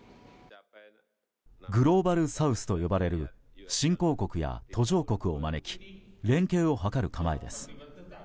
グローバルサウスと呼ばれる新興国や途上国を招き連携を図る構えです。